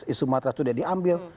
isu matahari sudah diambil